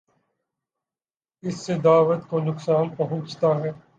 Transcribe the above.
اس سے دعوت کو نقصان پہنچتا ہے۔